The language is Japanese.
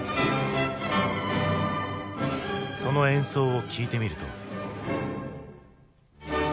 その演奏を聴いてみると。